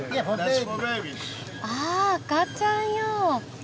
あ赤ちゃん用。